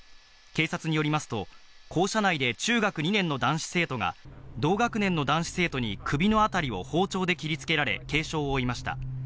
警察によりますと、校舎内で中学２年の男子生徒が、同学年の男子生徒に首の辺りを包丁で切りつけられ、軽傷を負いました。